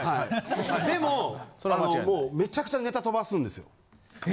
でももうめっちゃくちゃネタ飛ばすんですよ。え！